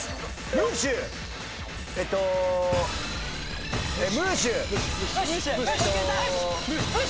ムーシュー！